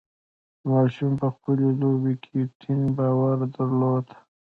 ماشوم په خپلې لوبې کې ټینګ باور درلود.